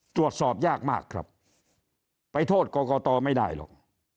ตรวจสอบยากมากครับไปโทษกรกตไม่ได้หรอก